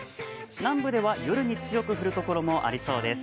南部では夜に強く降る所もありそうです。